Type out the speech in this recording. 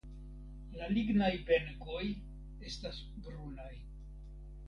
La lignaj benkoj estas brunaj.